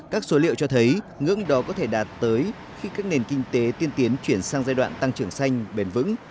các số liệu cho thấy ngưỡng đó có thể đạt tới khi các nền kinh tế tiên tiến chuyển sang giai đoạn tăng trưởng xanh bền vững